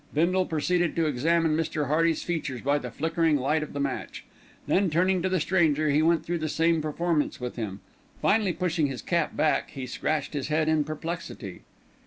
Bindle proceeded to examine Mr. Hearty's features by the flickering light of the match, then turning to the stranger, he went through the same performance with him. Finally pushing his cap back he scratched his head in perplexity.